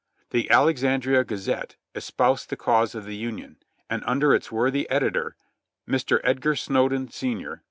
The Alexandria Gazette espoused the cause of the Union, and under its worthy editor, Mr. Edgar Snowden, Sr.